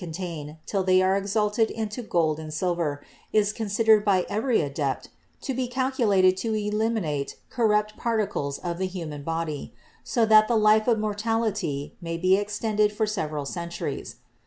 contain till they are exalted into gold and silver, is con sidered by every adept to be calculated to eliminate the 38 CHEMISTRY corrupt particles of the human body, so that the life of mortality may be extended for several centuries.